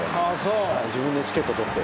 自分でチケット取って。